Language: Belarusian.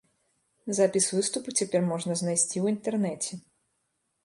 Запіс выступу цяпер можна знайсці ў інтэрнэце.